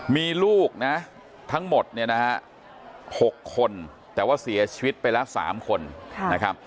มีลูกนะทั้งหมดเนี่ยนะฮะ๖คนแต่ว่าเสียชีวิตไปละ๓คนนะครับ